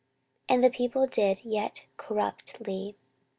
And the people did yet corruptly.